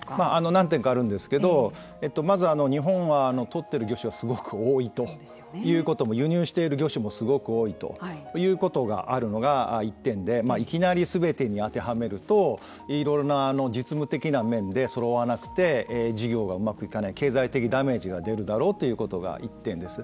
何点かあるんですけどまず日本は取っている魚種がすごく多いということと輸入している魚種もすごく多いということがあるのが１点でいきなりすべてに当てはめるといろいろな実務的な面でそろわなくて事業がうまくいかない経済的ダメージが出るだろうということが一点です。